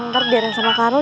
ntar biarin sama karo